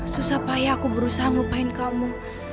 susah payah aku berusaha melupain kamu